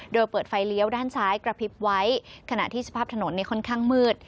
โดยเปิดไฟเลี้ยวด้านซ้ายกระพริบไว้ขณะที่สภาพถนนค่อนข้างมืด